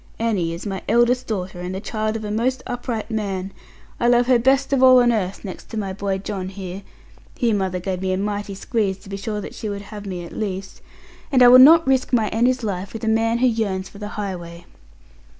Annie is my eldest daughter, and the child of a most upright man. I love her best of all on earth, next to my boy John here' here mother gave me a mighty squeeze, to be sure that she would have me at least 'and I will not risk my Annie's life with a man who yearns for the highway.'